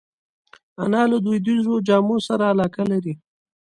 انا له دودیزو جامو سره علاقه لري